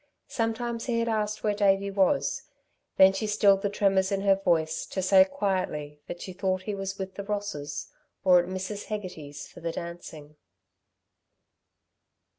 Sometimes he had asked where Davey was. Then she stilled the tremors in her voice to say quietly that she thought he was with the Rosses or at Mrs. Hegarty's for the dancing.